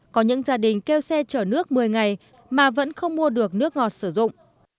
có những gia đình kêu xe chở nước một mươi ngày mà vẫn không mua được nước ngọt sử dụng